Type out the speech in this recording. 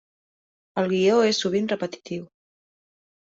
El guió és sovint repetitiu.